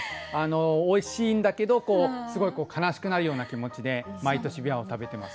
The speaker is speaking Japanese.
おいしいんだけどすごい悲しくなるような気持ちで毎年びわを食べてます。